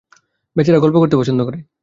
বেচারা গল্প করতে পছন্দ করে।